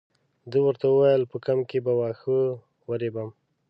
ده ورته وویل په کمپ کې به واښه ورېبم.